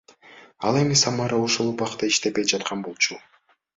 Ал эми Самара ошол убакта иштебей жаткан болчу.